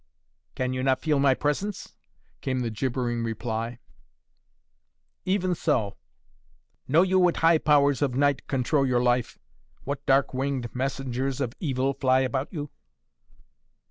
"Can you not feel my presence?" came the gibbering reply. "Even so!" "Know you what high powers of night control your life what dark winged messengers of evil fly about you?"